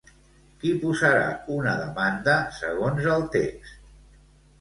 Qui posarà una demanda segons el text?